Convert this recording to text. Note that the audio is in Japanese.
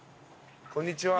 こんにちは。